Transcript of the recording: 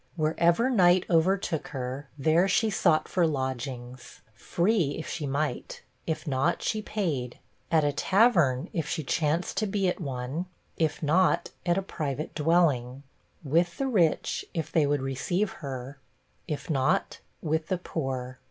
Wherever night overtook her, there she sought for lodgings free, if she might if not, she paid; at a tavern, if she chanced to be at one if not, at a private dwelling; with the rich, if they would receive her if not, with the poor.